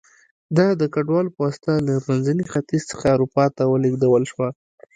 دا د کډوالو په واسطه له منځني ختیځ څخه اروپا ته ولېږدول شوه